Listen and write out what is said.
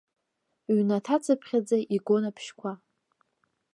Ҩнаҭа-цыԥхьаӡа игон абжьқәа.